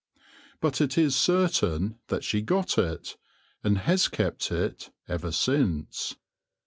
But it is certain that she got it, and has kept it ever since.